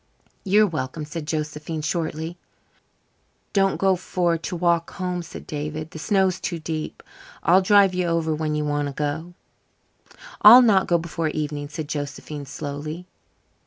"You're welcome," said Josephine shortly. "Don't go for to walk home," said David; "the snow is too deep. I'll drive you over when you want to go." "I'll not go before the evening," said Josephine slowly.